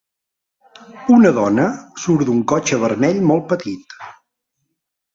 Una dona surt d'un cotxe vermell molt petit.